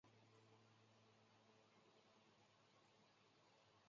它也介绍和翻译过很多近代世界文学作品。